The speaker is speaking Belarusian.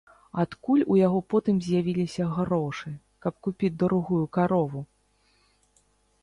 Адкуль у яго потым з'явіліся грошы, каб купіць другую карову?